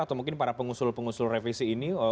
atau mungkin para pengusul pengusul revisi ini